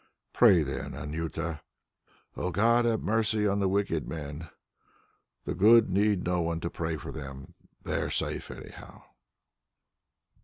Pray then, Anjuta: 'O God, have mercy on the wicked men.' The good need no one to pray for them; they are safe anyhow."